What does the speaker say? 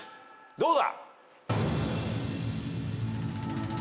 どうだ？